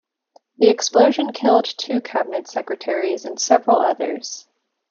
The explosion killed two cabinet secretaries and several others.